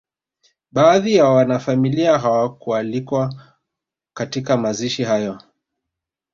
Baadhi ya wanafamilia hawakualikwa katika mazishi hayo